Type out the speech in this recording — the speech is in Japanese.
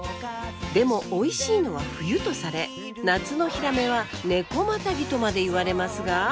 でもおいしいのは冬とされ夏のヒラメは「猫またぎ」とまで言われますが。